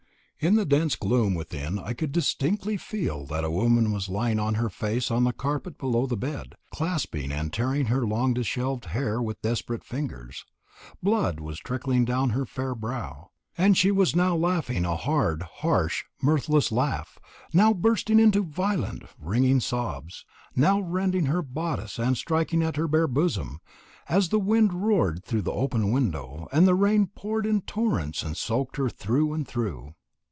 In the dense gloom within I could distinctly feel that a woman was lying on her face on the carpet below the bed clasping and tearing her long dishevelled hair with desperate fingers. Blood was tricking down her fair brow, and she was now laughing a hard, harsh, mirthless laugh, now bursting into violent wringing sobs, now rending her bodice and striking at her bare bosom, as the wind roared in through the open window, and the rain poured in torrents and soaked her through and through.